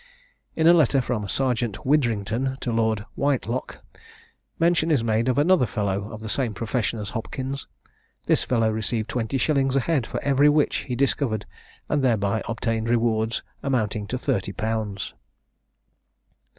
In a letter from Serjeant Widrinton to Lord Whitelocke, mention is made of another fellow of the same profession as Hopkins. This fellow received twenty shillings a head for every witch he discovered, and thereby obtained rewards amounting to thirty pounds.